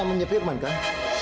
lo namanya firman kan